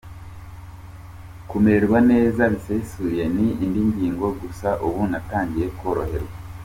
Kumererwa neza bisesuye ni indi ngingo gusa ubu natangiye koroherwa.